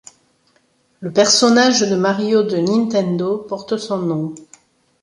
Le personnage de Mario de Nintendo porte son nom.